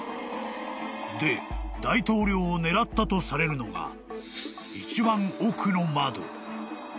［で大統領を狙ったとされるのが一番奥の窓］